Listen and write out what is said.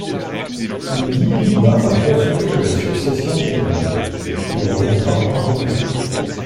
Il dit qu'il n'a à consulter que la succession naturelle, qu'il reconnaîtra Henri quatre.